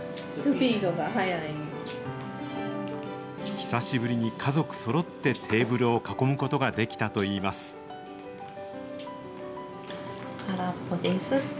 久しぶりに家族そろってテーブルを囲むことができたといいま空っぽですって。